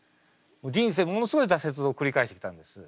人生ものすごい挫折を繰り返してきたんです。